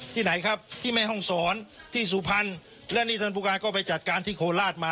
ที่ไหนครับที่แม่ห้องศรที่สุพรรณและนี่ท่านผู้การก็ไปจัดการที่โคราชมา